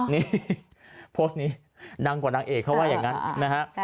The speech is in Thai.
นี่โพสต์นี้ดังกว่านางเอกเขาว่าอย่างนั้นนะฮะ